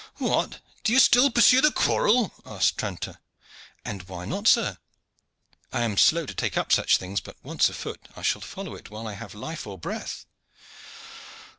"What! do you still pursue the quarrel?" asked Tranter. "And why not, sir? I am slow to take up such things, but once afoot I shall follow it while I have life or breath."